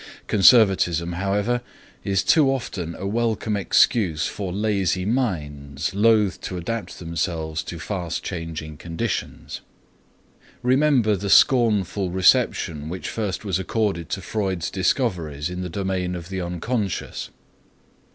Conservatism, however, is too often a welcome excuse for lazy minds, loath to adapt themselves to fast changing conditions. Remember the scornful reception which first was accorded to Freud's discoveries in the domain of the unconscious.